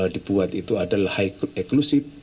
dibuat itu adalah high exclusive